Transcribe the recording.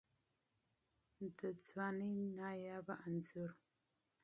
د ځوانۍ نایابه انځور